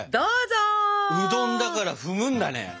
うどんだから踏むんだね。